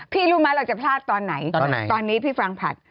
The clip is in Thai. รู้ไหมเราจะพลาดตอนไหนตอนนี้พี่ฟังผัด